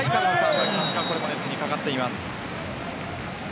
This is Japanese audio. ここはネットにかかっています。